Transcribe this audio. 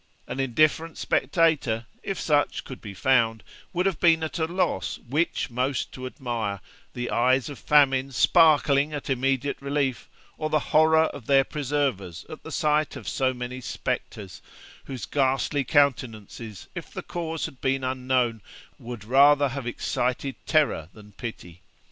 An indifferent spectator (if such could be found) would have been at a loss which most to admire, the eyes of famine sparkling at immediate relief, or the horror of their preservers at the sight of so many spectres, whose ghastly countenances, if the cause had been unknown, would rather have excited terror than pity.